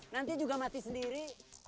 nanti juga mati sendiri